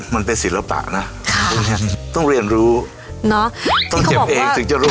มันเป็นศิลปะนะต้องเรียนรู้เนอะต้องเก็บเองถึงจะรู้